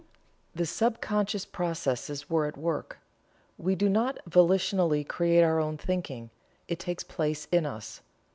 The subconscious processes were at work. We do not volitionally create our own thinking. It takes place in us.